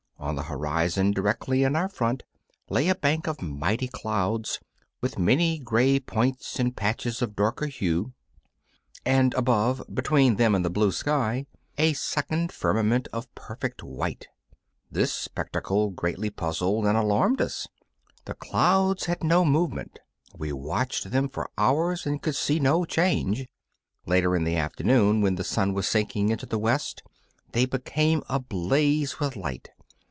On the horizon, directly in our front, lay a bank of mighty clouds, with many grey points and patches of darker hue, and above, between them and the blue sky, a second firmament of perfect white. This spectacle greatly puzzled and alarmed us. The clouds had no movement; we watched them for hours and could see no change. Later in the afternoon, when the sun was sinking into the west, they became ablaze with light.